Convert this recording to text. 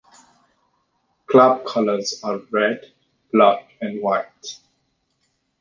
Club colours are red, black, and white.